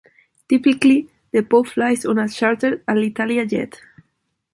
Typically, the Pope flies on a chartered Alitalia Jet.